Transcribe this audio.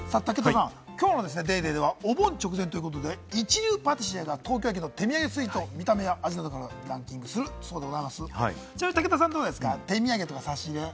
武田さん、きょうの『ＤａｙＤａｙ．』ではお盆直前ということで、一流パティシエが東京駅の手土産スイーツを見た目や味などからランキングするそうでございます。